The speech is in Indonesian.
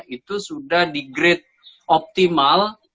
itu sudah di grade optimal